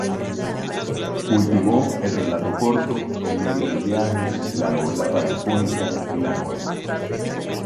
Cultivó el relato corto, el libro de viajes, la novela radiofónica y la novela.